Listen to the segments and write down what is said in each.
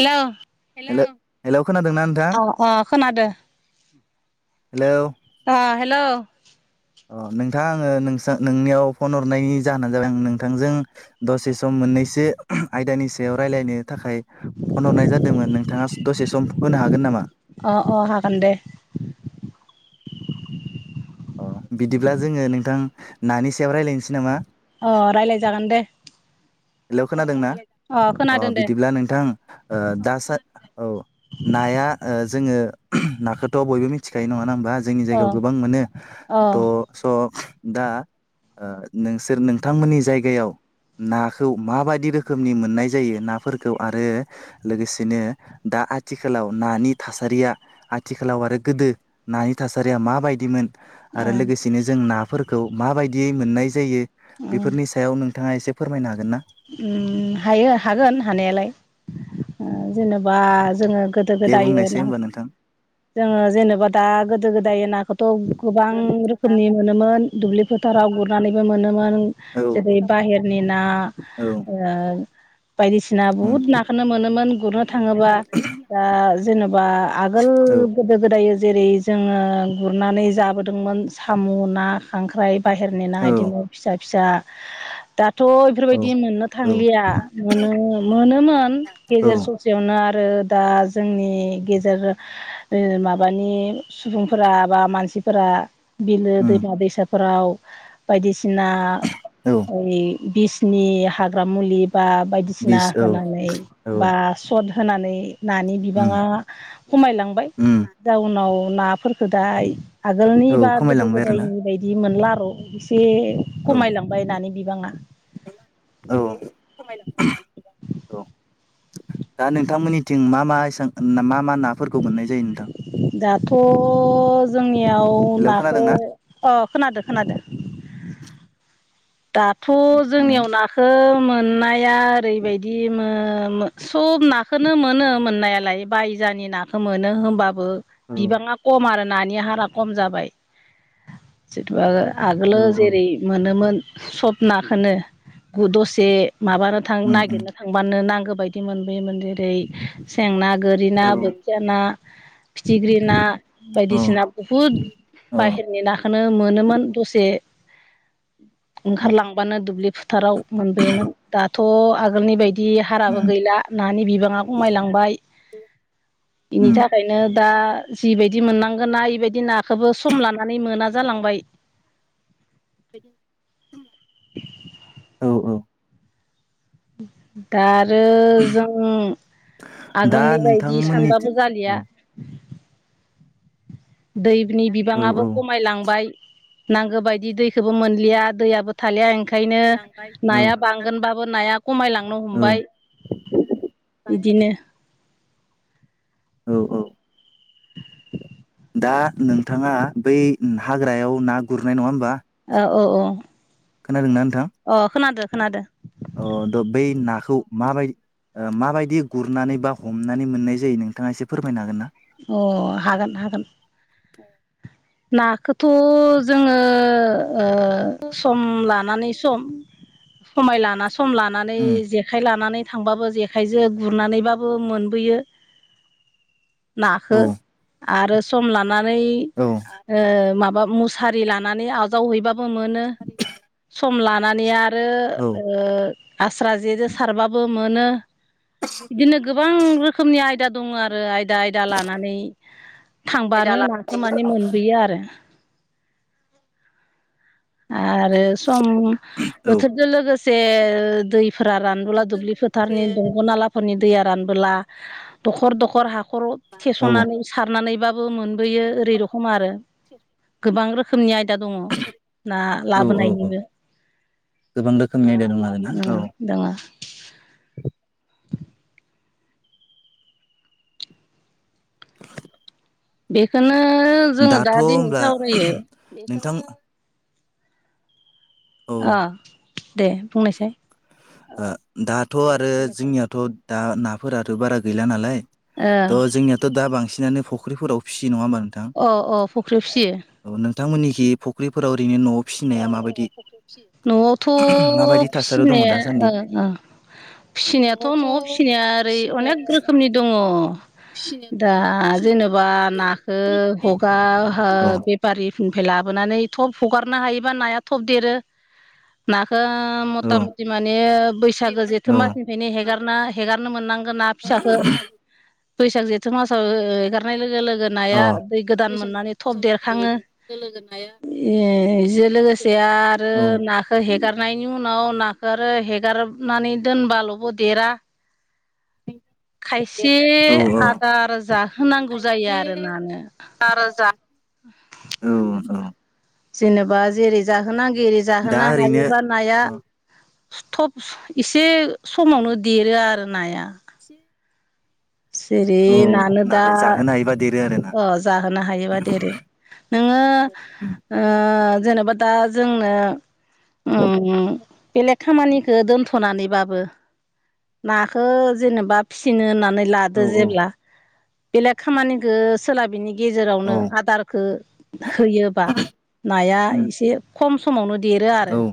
Hello. Hello hello. खोनादोंना नोंथां अह अह खोनादो। हेलौ। आ हेल'। अह नोंथां आङो नोंसा नोंनियाव फन हरनायनि जाहोनानो जाबाय आं नोंथांजों दसे सम मोन नैसो आयदानि सायाव रायज्लायनो थाखाय फन हरनाय जादोंमोन नोंथाङा दसे सम होनो हागोन नामा अह अह हागोन दे। अह बिदिब्ला जोङो नोंथां नानि सायाव रायज्लायनोसै नामा? अह रायलाय जागोन दे। हेलौ खोनादों ना? अ अह खोनादों दे बिदिब्ला नोंथां ओ दासा औ नाया ओ जोङो नाखोथ' बयबो मिथिखायो नङा हो मबा जोंनि अ जायगायाव गोबां मोनो अ थ' ओं स' दा ओ नोंसोर नोंथांमोननि जायगायाव ना खौ माबायदि रोखोमनि मोननाय जायो नाफोरखौ आरो लोगोसेनो दा आथिखालाव नानि थासारिया आथिखालाव आरो गोदो नानि थासारिया माबायदिमोन आरो लोगोसेनो जों नाफोरखौ माबायदियै मोननाय जायो ओं बेफोरनि सायाव नों थाङा एसे फोरमायनो हागोन ना उम हायो हागोन हानायालाय ओ जेनेबा जोङो गोदो दे गोदायो बुंनायसै ना होमबा नोंथां जोङो जेनेबा दा गोदो गोदाय नाखौथ' गोबां रोखोमनि मोनोमोन। दुब्लि फोथाराव गुरनानैबो मोनोमोन औ जेरै बाहेरनि ना, औ ओ उम बायदिसिना बुहुद नाखौनो मोनोमोन गुरनो थाङोबा। दा जेनेबा आगोल औ गोदो गोदाय जायो जेरै जोङो गुरनानै जाबोदोंमोन साम', ना, खांख्राइ बाहेरनिना औ इदिनो फिसा फिसा दाथ' औ बेफोरबायदि मोननो औ थांलिया मोनो मोनोमोन औ गेजेर ससेयावनो आरो आरो दा जोंनि गेजेर ओ माबानि सुबुंफोरा बा मानसि मानसिफोरा बिलो उम दैमा दैसाफोराव बायदिसिना औ ओइ बिस नि हाग्रा मुलि बा बायदिसिना बिस औ होनानै औ बा सट होनानै नानि उम बिबाङा खमायलांबाय उम जाउनाव नाफोरखो दा आगोलनि औ बा गोदो खमायलांबाय आरोना गोदायनि बायदि मोनला र' एसे औ खमायलांबाय बिबाङा औ औ दा नोंथांमोननिथिं मा मा एसां मा मा नाफोरखौ मोननाय जायो नोंथां। दाथ' जोंनियाव हेलौ नाखौ खोनादोंना अ खोनादो खोनादो। दाथ' दे बुंनाय जोंनियाव नाखौ मोननाया ओरैबायदिमोन सब नाखोनो मोनो मोननायालाय बायजानि नाखौ मोनो होमबा बो औ बिबाङा खम आरो नानि हारा खम जाबाय जेनेबा औ आगोलोाव औ जेरै मोनोमोन सबनाखोनो दसे माबानो थां उम उम नागिरनो थांबानो नांगौ बायदि मोनबोयोमोन जेरै सेंना गोरि ना औ बोथिया ना फिथिख्रि ना औ बायदिसिना बुहुद अ बाहेरनि नाखोननो मोनोमोन दसे उम ओंखारलांबानो दुब्लि फोथाराव मोनबोयोमोन दा थ' आगोलनि बायदि हाराबो गैला नानि बिबाङा खमायलांबाय बेनि उम थाखायनो दा जिबायदि मोननांगोन ना इबायदि नाखौबो सम लानानै मोना जालांबाय। औ औ दा आरो जों दा आगोलनि बायदि नोंथांमोननिथिं सानबाबो औ जालिया दैनि औ बिबाङाबो औ खमायलांबाय नांगौ बायदि दैखौबो मोनलिया दैयाबो थालिया ओंखायनो औ नाया बांगोनबाबो नाया खमायलांनो औ हमबाय बिदिनो औ औ दा नोंथाङा बै हाग्रायाव ना गुरनाय नङा होमबा औ औ औ खोनादोंना नोंथां अ खोनादो खोनादो अ द बै ना खौ माबाय ओ माबायदि गुरनानै बा हमनानै मोननाय जायो नोंथाङा एसे फोरमायनो हागोन ना अ हागोन हागोन [unintelligible] नाखौथ' जोङो ओ सम लानानै लानानै सम समाय लाना सम लानानै उम जेखाय लानानै थांबाबो जेखाइजों गुरनानैबाबो मोनबोयो औ नाखो आरो सम लानानै औ ओ माबा मुसारि लानानै आजावहैबाबो मोनो सम लानानै आरो औ ओ आस्रा जेजों सारबाबो मोनो बिदिनो गोबां रोखोमनि आयदा दङ आरो आयदा आयदा लानानै थांबानो नाखौ माने मोनबोयो आरो आरो सम बोथोरजों लोगोसे दैफोरा रानबोला दुब्लि फोथार दंग'नालाफोरनि दैया रानबोला दखर दखर हाखर औ औ थेसनानै सारनानै बा बो मोनबोयो ओरै रखम आरो [unintelligible] गोबां रोखोमनि आयदा दङ ना औ औ लाबोनायनिबो गोबां रोखोमनि आयदा दं आरोना दङ औ दङ [inaudible] बेखौनो जोङो दा दाथ' दिनै होमब्ला सावरायो नोंथां औ आ दे बुंनायसाय। ओ दाथ' आरो जोंनियाथ' दा नाफोराथ' बारा गैला नालाय थ' जोंनियाथ' दा बांसिनानो फुख्रिफोराव फिसियो नङा होमबा नों अ अ फुख्रियाव फिसियो। नोंथांमोननिखि फुख्रिफोराव ओरैनो न'आव फिसिनाया माबायदि? न'आवथ' माबायदि थासारियाव दङ फिसिनाया दासान्दि ओ ओ फिसिनायाथ' न'आव फिसिनाया ओरै अनेक रोखोमनि दङ'। दा जेन'बा नाखो औ [unintelligible] पेपारि फोरनिफ्राय लाबोनानै थब हगारनो हायोबा नाया थब देरो नाखो औ मटा-मटि माने बैसागो जेथो औ मासनिफ्रायनो हेगारना हेगारनो मोननांगोन ना फिसाखो। [inaudible] बैसाग जेथो मासाव ओ एगारनाय लोगो-लोगो अ नाया दै गोदान मोननानै थब देरखाङो। ए जो लोगोसे आरो औ नाखौ हेगारनायनि उ नाव नाखो आरो हेगारब नानै दोनबाल'बो देरा। खायसे औ आदार जाहोनांगौ जायो आरो नानो। [unintelligible] औ नोंथां। जेन'बा जेरै जाहोनांगो एरै दा जाहोनो ओरैनो हायोबा नाया थब इसे समावनो देरो आरो नाया। औ [unintelligible] नानो ना दा जाहोनो हायोबा देरो आरोना अ' जाहोनो हायोबा देरो नोङो ओ जेनोबा दा जोंनो उम बेलेग खामानिखो दोनथ'नानैबाबो नाखो जेनेबा फिसिनो ना नै लादो औ औ जेब्ला बेेलेग खामानिखो सोलाबिनि गेजेरावनो आदारखो होयोबा नाया औ एसे खम समावनो देरो आरो। औ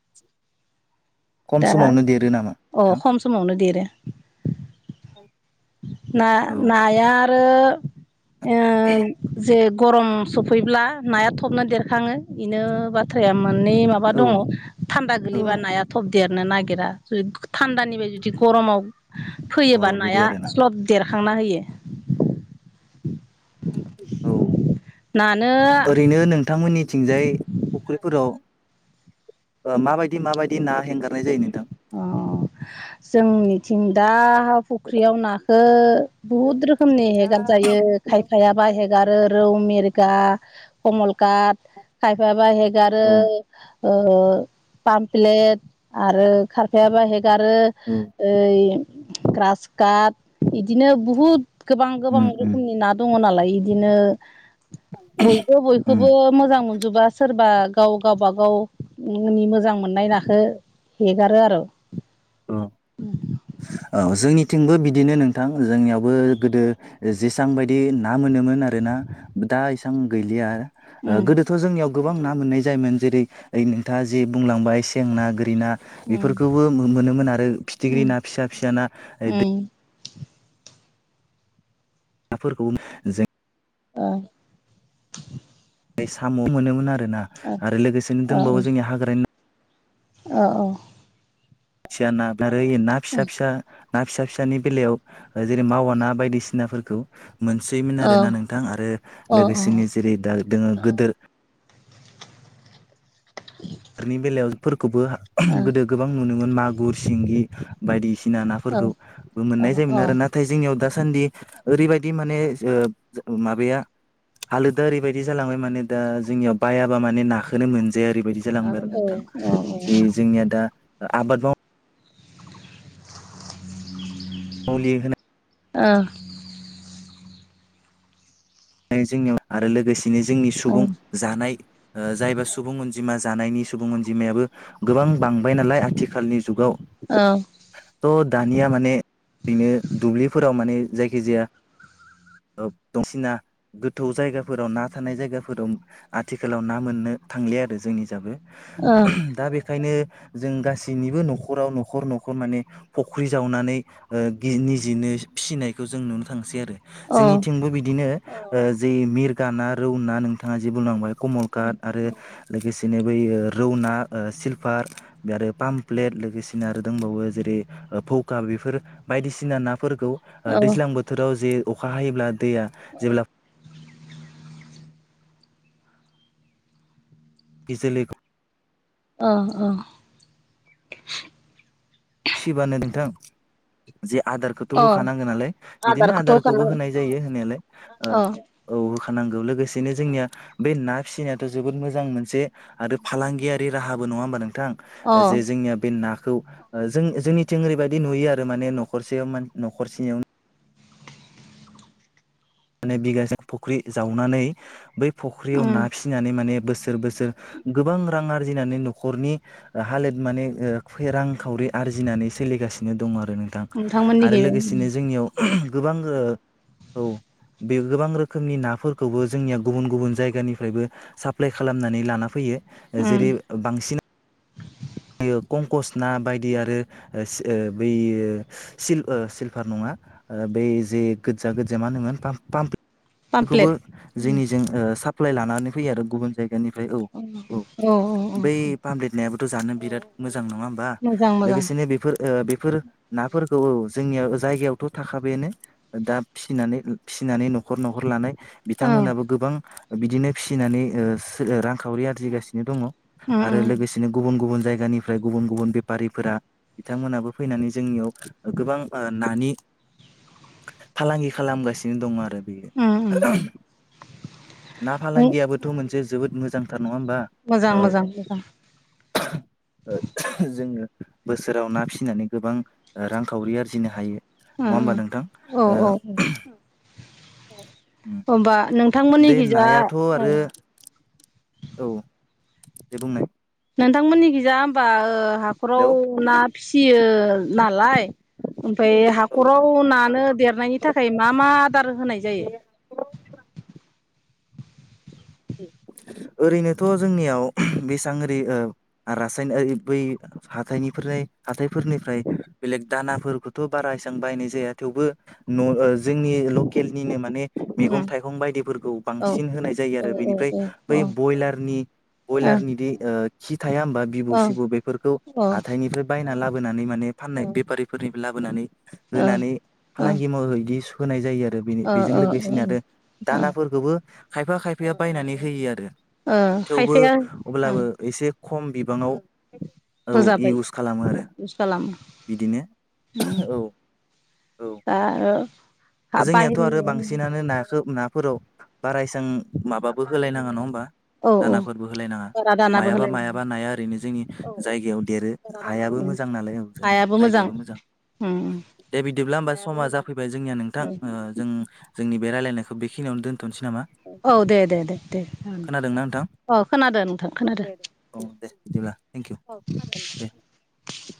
[inaudible] खम दा समावनो देरो नामा अ' नोंथां? खम समावनो देरो। औ ना-नाया आरो ओ जे गरम सफैब्ला नाया थबनो देरखाङो। इनो बाथ्राया मोननै माबा औ दङ' थान्दा औ गोलैबा नाया थब देरनो नागिरा जु थान्दानिफाय जुदि गरमाव फैयोबा अ बिदि नाया आरोना स्लद देर खांना होयो। औ नानो ओरैनो नोंथांमोननिथिंजाय फुख्रिफोरा व माबायदि-माबायदि ना हेंगारनाय जायो नोंथां? अ' जोंनिथिं दा फुख्रियाव ना खो बुहुद रोखोमनि हेगार जायो खायफायाबा हेगारो रौ मेर गा कमल काट खायफाबा हेगारो औ औ ओ पामप्लेट आरो खारफाया हेगारो ओइ ग्रास्ट काट इदिनो बहुत गोबां-गोबां उम उम रोखोमनि ना दङ' नालाय। इदिनो बयबो उम बयखौबो मोजां मोनजोबा सोरबा गाव-गावबा-गाव नि मोजां मोननाय नाखो हेगारो आरो। ओ-औ जोंनि थिंबो बिदिनो नोंथां जोंनियावबो गोदो जेसां बायदि ना मोनोमोन आरो ना दा इसां गैलिया आरो। ओ उम गोदोथ' जोंनियाव गोबां ना मोननाय जायोमोन जेरै ओइ नोंथाङा जि बुंलांबाय सें ना गो रि ना उम बेफोरखौबो मो-मोनोमोन आरो फिथिख्रि उम ना फिसा-फिसा ना ओ दै उम [unintelligible] ना फोरखौ जों औ साम' मोनोमोन आरोना आरो लोगोसेनो दंबावो जोंनि हाग्रानि औ औ खथिया ना आरो ना फिसा फिसा ना फिसा फिसानि बेलायाव जेरै मावा ना बायदिसिनाफोरखौ। मोनसयमोन ओ आरोना नोंथां आरो ओ लोगोसेनो जेरै दा दोङो गोदो बेफोरनि बेलायावफोरखौबो गोदो गोबां मोनोमोन मागुर सिंगि बायदिसिना सिना नाफोरखौबो मोननाय जायोमोन आरो नाथाय जोंनियाव दास दासान्दि ओरैबायदि माने ओ माबाया हालोदा ओरैबायदि जालांबाय माने दा जोंनियाव बायाबा माने नाखोनो मोनजाया ओरैबायदि जालांबाय आरो नोंथां जे जोंनिया दा आबाद माव मुलि ओ जोंनियाव आरो लोगोसेनो जोंनि सुबुं जानाय ओ जायबा सुबुं अनजिमा जानायनि सुबुं अनजिमायाबो गोबां बांबाय नालाय आथिखालनि जुगाव औ स' दानिया माने ओरैनो दुब्लिफोराव माने जायखिजाया ओ दंसिना गोथौ जायगाफोराव ना थानाय जायगाफोराव आथिखालाव ना मोननो थांलिया आरो जोंनि जाबो दा बे खायनो जों गासैनिबो न'खराव न'खर न'खर माने फख्रि जावनानै ओ [unintelligible] निजेनो फिसिनायखौ जों नुनो थांसै आरो ओ जोंनिथिंबो बिदिनो जै मिरगा ना रौ ना नोंथाङा जे बुंलांबाय कमल काट आरो लोगोसे बिदिनो बैयो रौना ओ सिलफार बे आरो पामप्लेट लोगोसेनो आरो दंबावो जेरै ओ भौका बेफोर बायदिसिना ना फोरखौ ओ दैज्लां बोथोराव जे अखा हायोब्ला दैया जेब्ला फिसलिखौ अह अह फिसिबानो नोंथां जे आदारखौथ' ओ होखानांगो नालाय बिदिनो आदारखौथ' आदारखौबो होखानांगोन होनाय जायो होनायालाय अ ओ औ नांगौ लोगोसेनो जोंनिया बे ना फिसिनायाथ' जोबोद मोजां मोनसे आरो फालांगियारि राहाबो नङा होमबा नों थां अ जे जोंनिया बे नाखौ ओ जों जोंनिथिं ओरैबायदि नुयो आरो माने न'खरसेयाव न'खरसेनियावनो माने बिगासे फख्रि जावनानै बै फख्रियाव उम ना फिसिनानै माने बोसोर बोसोर गोबां रां आरजिनानै न'खरनि हालोद माने ओ रां खावरि आरजिनानै सोलिगासिनो दं आरो आरो नोंथां नोंथांमोननिखै आरो लोगोसेनो जोंनियाव गोबां ओ औ बे गोबां रोखोमनि नाफोरखौबो जोंनिया गुबुन गुबुन जायगानिफ्रायबो साप्लाय खालामनानै लाना फैयो उम जेरै बांसिन कंकस ना बायदि आरो ओ ओ बै ओ सिल ओ सिलभार नङा बै जे गोजा गोजा मा होनोमोन पाम पाम बेखौबो पामप्लेट जोंनिजों साप्लाइ लानानै फैयो आरो गुबुन जायगा निफ्राय औ औ औ औ बै फामपलेट नायाबो जानो बिराद मोजां नङा होमबा मोजां मोजां लोगोसेनो बेफोर ओ बेफोर नाफोरखौ औ जोंनियाव जायगायावथ' थाखाबायानो दा फिसिनानै फिसिनानै न'खर न'खर न'खर लानाय औ बिथांमोनाबो गोबां बिदिनो फिसिनानै ओ सो ओ रांखावरि आरजिगासिनो दङ उम आरो उम लोगोसेनो गुबुन गुबुन जायगा जायगानिफ्राय गुबुन गुबुन बेपारिफोरा बिथांमोनाबो फैनानै जोंनियाव गोबां नानि फालांगि खालामगासिनो दं आरो उम उम ना उम फालांगियाबोथ' मोनसे जोबोद मोजां [unintelligible] नङा ओमबा मोजां औ मोजां मोजां जोङो बोसोराव ना फिसिनानै गोबां रांखावरि आरजिनो हायो ओम नङा होमबा नोंथां ओम औ औ ओ औ ओमबा नों थांमोननि दे खिजा नायाथ' आरो औ दे बुंनाय नोंथांमोननि खैजा होमबा हाखराव हेलौ ना फिसियो नालाय ओमफ्राय औ हाखराव औ नानो देरनायनि थाखाय मा मा आदार होनाय जायो? [unintelligible] [inaudible] ओरैनोथ' जोंनियाव बेसां आरि रासायनारि बै हाथाइनिफोर हाथाइफोरनिफ्राय बेलेग दानाफोरबोथ' बारा एसां बाहायनाय जाया थेवबो न' जोंनि लकेलनिनो माने उम मैगं-थाइगं बायदिफोरखौ औ बांसिन होनाय जायो औ आरो औ बेनिफ्राय बै औ बयलारनि बयलारनि थाया होनबा बिबु औ सिबु बेफोरखौ ओ औ ओ हाथाइनिफ्राय बायना लाबो लाबोनानै माने फाननाय बेफारिफोरनि लाबोनानै होनानै फालांगि माव बिदि होनाय जायो आरो आरो बेनि बेजों ओ ओ लोगोसेनो आरो ओ दानाफोरखौबो खायफा खायफाया बायनानै होयो आरो ओ थेवबो खायफाया ओं अब्लाबो एसे खम बिबाङाव औ होजाबाय इउस खालामो आरो इउस खालामो बिदिनो ओं औ औ [unintelligible] जोंनियाथ' आरो बाहेरनि बांसिनानो नाखौ नाफोराव बाराय एसां माबाबो होलायनाङा नङा होमबा औ औ दानाफोरबो होलायनाङा बारा दानाबो मायाबा होलायनाङा मायाबा नाया ओरैनो जोंनि जायगायाव देरो हायाबो उम मोजां नालाय औ जोंनिया जायगायाबो मोजां उम दे बिदिब्ला होमबा समा जाफैबाय जोंनिया नोंथां जों जोंनि बे रायलायनायखौ बेखिनियावनो दोनथ'नोसै नामा औ दे दे दे दे खोनादो नोंथां औ खोनादो दे दे औ दे बिदिब्ला थेंक इउ औ दे [inaudible]